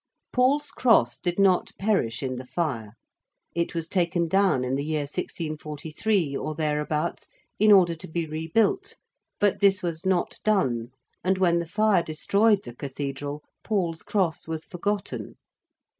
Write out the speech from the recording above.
Paul's Cross did not perish in the Fire: it was taken down in the year 1643, or thereabouts, in order to be rebuilt; but this was not done, and when the Fire destroyed the Cathedral Paul's Cross was forgotten.